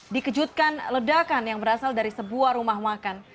dikejutkan ledakan yang berasal dari sebuah rumah makan